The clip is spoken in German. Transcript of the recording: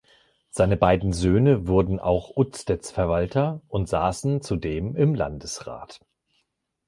Seine beiden Söhne wurden auch Udstedsverwalter und saßen zudem im Landesrat.